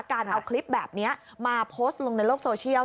การเอาคลิปแบบนี้มาโพสต์ลงในโลกโซเชียล